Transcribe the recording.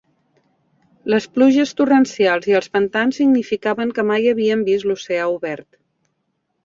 Les pluges torrencials i els pantans significaven que mai havien vist l'oceà obert.